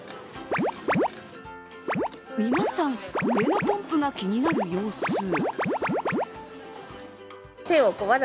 皆さん、上のポンプが気になる様子